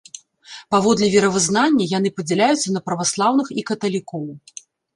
Паводле веравызнання, яны падзяляюцца на праваслаўных і каталікоў.